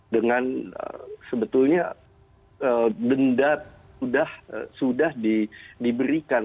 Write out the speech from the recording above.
dengan sebetulnya denda sudah diberikan